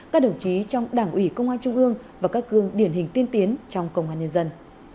các đồng chí trong đảng ủy công an trung ương và các gương điển hình tiên tiến trong công an nhân dân